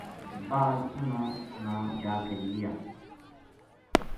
بعد اُن نا جا کے ملیا